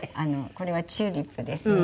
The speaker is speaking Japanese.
これはチューリップですね。